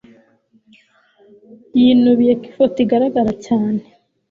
yinubiye ko ifoto igaragara cyane